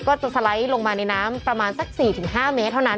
ก็จะสไลด์ลงมาในน้ำประมาณสัก๔๕เมตรเท่านั้น